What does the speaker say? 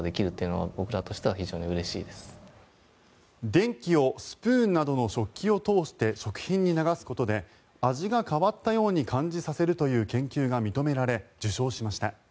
電気をスプーンなどの食器を通して食品に流すことで味が変わったように感じさせるという研究が認められ受賞しました。